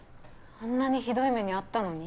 あんなにひどい目に遭ったのに？